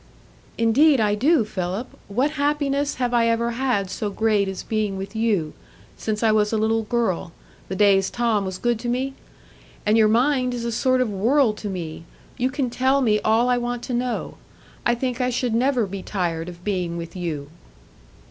"Indeed I do, Philip. What happiness have I ever had so great as being with you,—since I was a little girl,—the days Tom was good to me? And your mind is a sort of world to me; you can tell me all I want to know. I think I should never be tired of being with you."